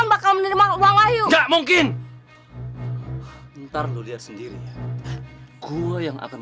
bakal menerima uang wahyu nggak mungkin ntar lu lihat sendiri gua yang akan